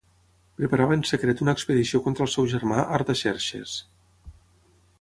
preparava en secret una expedició contra el seu germà Artaxerxes